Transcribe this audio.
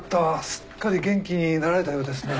すっかり元気になられたようですね。